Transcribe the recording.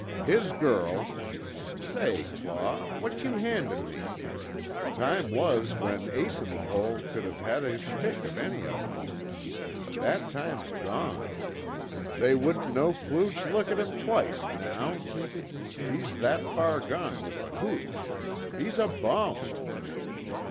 "His girl! Say Claw, what you handin' me? Time was when Ace In The Hole could of had his pick of any of 'em. But that time's gone. They wouldn't no klooch look at him twict, now. He's that fer gone with the hooch. He's a bum."